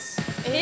え